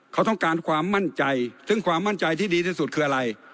เขาต้องการความมั่นใจซึ่งความมั่นใจที่ดีที่สุดคืออะไร